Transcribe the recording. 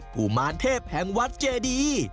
กุมารเทพแห่งวัดเจดี